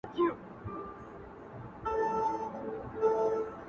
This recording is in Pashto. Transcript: o همدا فشار د دې ټولو کړنو تر شا اصلي ځواک ګرځي,